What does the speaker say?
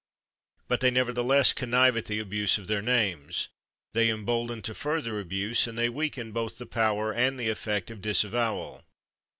But they nevertheless connive at the abuse of their names. They embolden to further abuse, and they weaken both the power and the effect of disavowal.